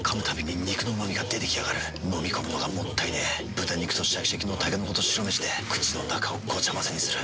豚肉とシャキシャキのたけのこと白めしで口の中をごちゃ混ぜにする。